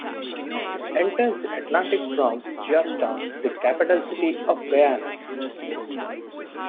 It enters the Atlantic from Georgetown, the capital city of Guyana.